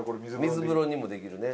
水風呂にもできるね。